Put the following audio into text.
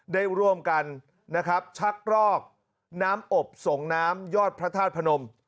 ได้ร่วมกันนะครับชักรอกน้ำอบส่งน้ำยอดพระธาตุพนม